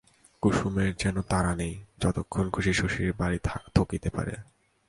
কুসুমের যেন তাড়াতাড়ি নেই, যতক্ষণ খুশি শশীর ঘরে থকিতে পারে।